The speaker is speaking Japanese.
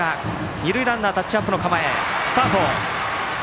二塁ランナー、タッチアップ。